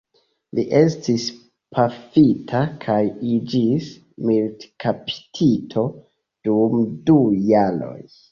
Li estis pafita kaj iĝis militkaptito dum du jaroj.